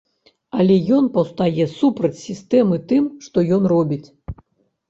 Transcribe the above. Але ён паўстае супраць сістэмы тым, што ён робіць.